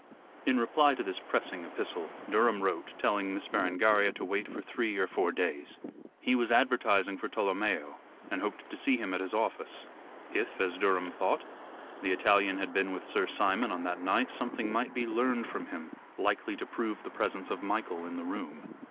In reply to this pressing epistle, Durham wrote, telling Miss Berengaria to wait for three or four days. He was advertising for Tolomeo, and hoped to see him at his office. If, as Durham thought, the Italian had been with Sir Simon on that night, something might be learned from him likely to prove the presence of Michael in the room.